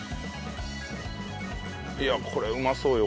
いやこれうまそうよ！